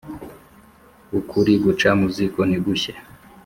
Ukuri guca muziko ntigushye